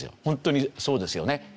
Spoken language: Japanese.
本当にそうですよね。